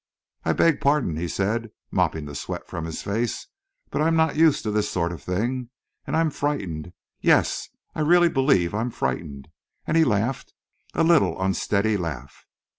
"I beg pardon," he said, mopping the sweat from his face; "but I'm not used to this sort of thing; and I'm frightened yes, I really believe I'm frightened," and he laughed, a little unsteady laugh.